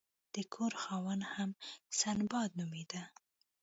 د کور خاوند هم سنباد نومیده.